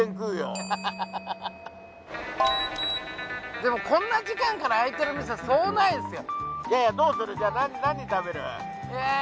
でもこんな時間から開いてる店はそうないですよ。